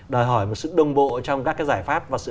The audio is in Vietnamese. đòi hỏi một sự đồng bộ trong các cái giải pháp